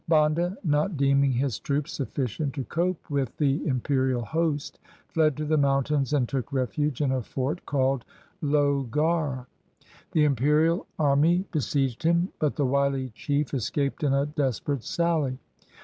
Banda not deeming his troops sufficient to cope with the im perial host fled to the mountains and took refuge in a fort called Lohgarh. The imperial army be sieged him but the wily chief escaped in a desperate sally.